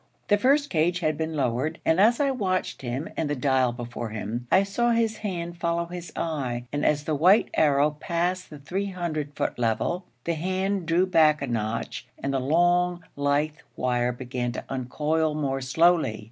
The first cage had been lowered, and as I watched him and the dial before him, I saw his hand follow his eye, and as the white arrow passed the 300 foot level, the hand drew back a notch and the long, lithe wire began to uncoil more slowly.